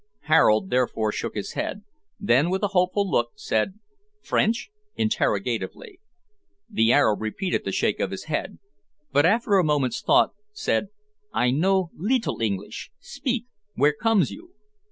Harold therefore shook his head; then, with a hopeful look, said "French?" interrogatively. The Arab repeated the shake of his head, but after a moments' thought said, "I know littil Engleesh; speak, where comes you?"